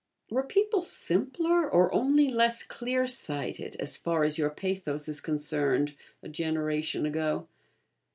Were people simpler, or only less clear sighted, as far as your pathos is concerned, a generation ago?